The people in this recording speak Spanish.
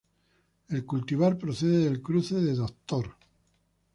El cultivar procede del cruce de 'Dr.